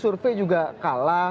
survei juga kalah